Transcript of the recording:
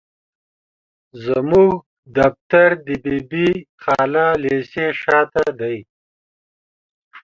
زموږ دفتر د بي بي خالا ليسي شاته دي.